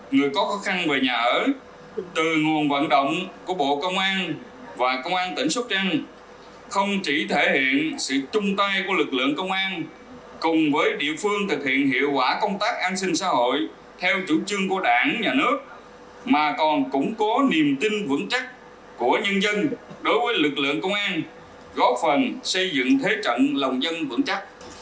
người có khó khăn về nhà ở từ nguồn vận động của bộ công an và công an tỉnh sóc trăng không chỉ thể hiện sự chung tay của lực lượng công an cùng với địa phương thực hiện hiệu quả công tác an sinh xã hội theo chủ trương của đảng nhà nước mà còn củng cố niềm tin vững chắc của nhân dân đối với lực lượng công an góp phần xây dựng thế trận lòng dân vững chắc